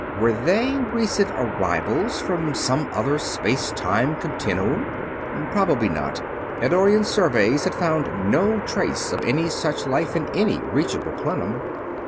Were they recent arrivals from some other space time continuum? Probably not Eddorian surveys had found no trace of any such life in any reachable plenum.